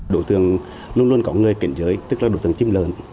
đối tượng luôn luôn có người kiện giới tức là đối tượng chiếm lợn